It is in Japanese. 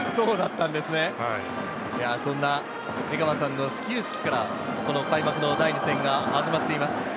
そんな江川さんの始球式から開幕の第２戦が始まっています。